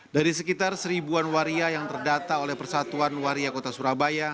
dari sekitar seribuan waria yang terdata oleh persatuan waria kota surabaya